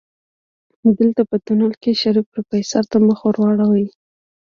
دلته په تونل کې شريف پروفيسر ته مخ واړوه.